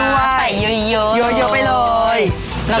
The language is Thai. มีกลัวใส่เยอะเยอะไปเลย